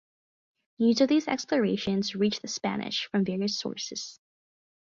News of these explorations reached the Spanish from various sources.